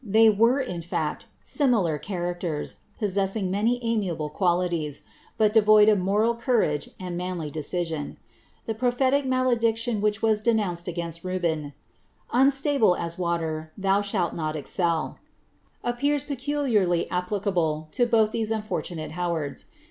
They were, in fact, similar characters, possessing many amiable qualities, but devoid of moral courage and manly decision. The pro phetic malediction which was denounced against Reuben —^ unstable as water, thou shalt not ezceP' — appears peculiarly applicable to both these unfortunate Howards.